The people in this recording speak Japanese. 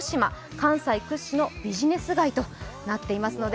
関西屈指のビジネス街となっていますので。